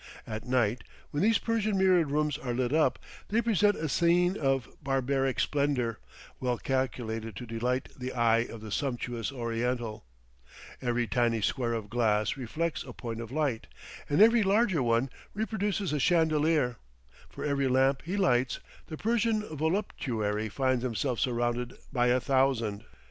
At night, when these Persian mirrored rooms are lit up, they present a scene of barbaric splendor well calculated to delight the eye of the sumptuous Oriental; every tiny square of glass reflects a point of light, and every larger one reproduces a chandelier; for every lamp he lights, the Persian voluptuary finds himself surrounded by a thousand.